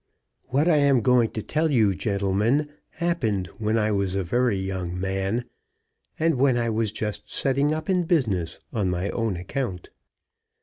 WHAT I am going to tell you, gentlemen, happened when I was a very young man, and when I was just setting up in business on my own account.